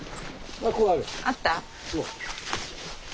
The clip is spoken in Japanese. あった？